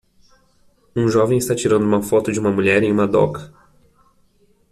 Um jovem está tirando uma foto de uma mulher em uma doca.